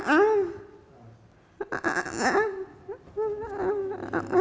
kamu tidur setiap hari melakukan kegiatan